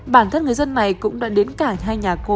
bản thân người dân này cũng đã đến cả hai nhà cô